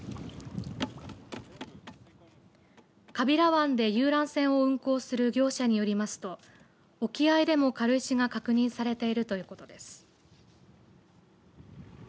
川平湾で遊覧船を運航する業者によりますと沖合でも軽石が確認されているということです。